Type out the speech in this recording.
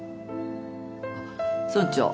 あっ村長